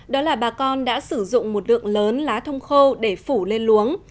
đó là bà con đã sử dụng một lượng lớn lá thông khô để phủ lên luống